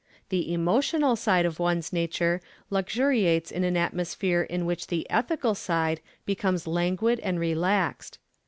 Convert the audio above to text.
The emotional side of one's nature luxuriates in an atmosphere in which the ethical side becomes languid and relaxed.